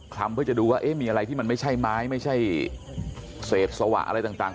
ลำเพื่อจะดูว่ามีอะไรที่มันไม่ใช่ไม้ไม่ใช่เศษสวะอะไรต่าง